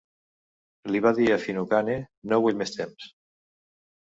Li va dir a Finucane: no vull més temps.